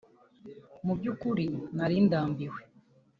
Mu by’ukuri nari ndambiwe